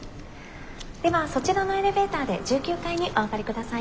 ではそちらのエレベーターで１９階にお上がり下さい。